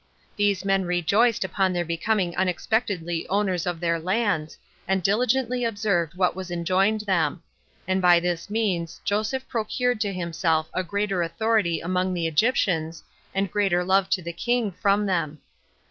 These men rejoiced upon their becoming unexpectedly owners of their lands, and diligently observed what was enjoined them; and by this means Joseph procured to himself a greater authority among the Egyptians, and greater love to the king from them.